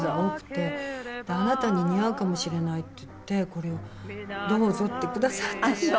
「あなたに似合うかもしれない」って言ってこれを「どうぞ」ってくださったんです。